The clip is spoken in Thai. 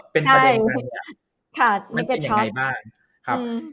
เป็นประเด็นกันไม่เป็นยังไงบ้าง